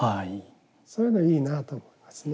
そういうのいいなと思いますね。